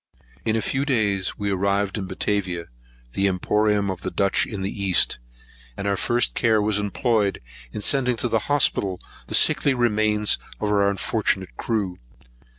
In a few days, we arrived at Batavia, the emporeum of the Dutch in the East; and our first care was employed in sending to the hospital the sickly remains of our unfortunate crew.